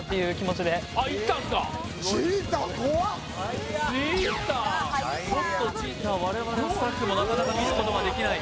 ちょっとチーター我々スタッフもなかなか見ることができない